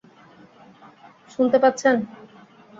শুনতে পাচ্ছেন?